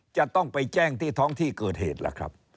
จะต้องไปแจ้งที่ท้องที่เกิดเหตุล่ะครับ